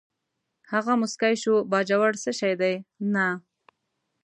هغه موسکی شو: باجوړ څه شی دی، نه.